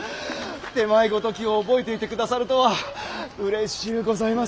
手前ごときを覚えていてくださるとはうれしゅうございます。